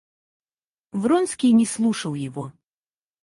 Вронский не слушал его.